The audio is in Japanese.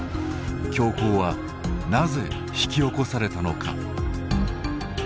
凶行は、なぜ引き起こされたのか。